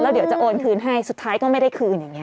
เดี๋ยวจะโอนคืนให้สุดท้ายก็ไม่ได้คืนอย่างนี้